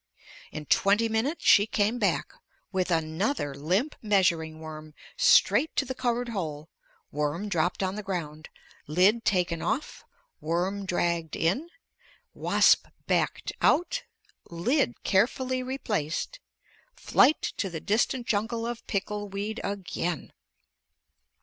In twenty minutes she came back, with another limp measuring worm, straight to the covered hole; worm dropped on the ground; lid taken off; worm dragged in; wasp backed out; lid carefully replaced; flight to the distant jungle of pickle weed again!